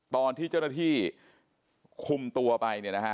ตอนที่เจ้าหน้าที่คุมตัวไปเนี่ยนะฮะ